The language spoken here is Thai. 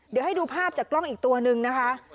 เดี๋ยวให้ดูภาพจากกล้องอีกตัวนึงนะคะ